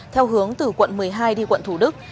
theo hướng từ quận một mươi hai đi quận thủ đức